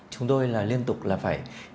chúng tôi là liên tục là phải